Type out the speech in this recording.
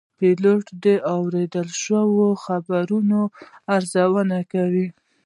پیلوټ د اورېدل شوو خبرونو ارزونه کوي.